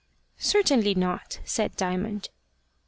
"Certainly not," said Diamond.